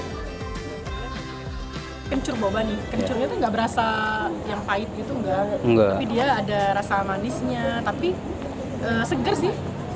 kencur boba nih kencurnya tuh gak berasa yang pahit gitu enggak tapi dia ada rasa manisnya tapi seger sih